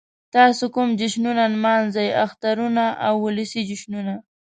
تاسو کوم جشنونه نمانځئ؟ اخترونه او ولسی جشنونه